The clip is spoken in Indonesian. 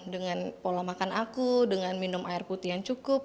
dengan pola makan aku dengan minum air putih yang cukup